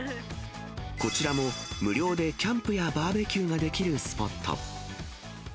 こちらも無料でキャンプやバーベキューができるスポット。